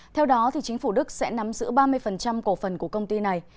theo đó chính phủ đức sẽ nắm giữ ba mươi cổ phần của công ty này